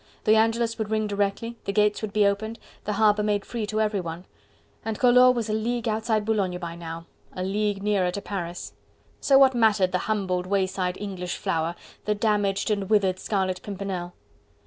The Angelus would ring directly, the gates would be opened, the harbour made free to everyone.... And Collot was a league outside Boulogne by now... a league nearer to Paris. So what mattered the humbled wayside English flower? the damaged and withered Scarlet Pimpernel?...